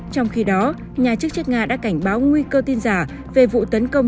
trong khi đó nhà chức trách nga đã cảnh báo nguy cơ tin giả về vụ tấn công